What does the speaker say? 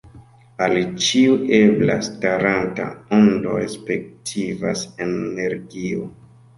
Al ĉiu ebla staranta ondo respektivas energio.